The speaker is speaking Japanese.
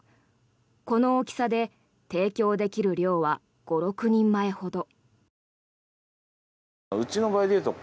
この大きさで提供できる量は５６人前ほど。